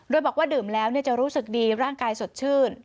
โดยบอกว่าดื่มแล้วจะรู้สึกดีร่างกายสดชื่น